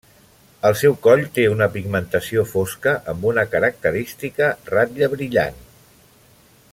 El seu coll té una pigmentació fosca amb una característica ratlla brillant.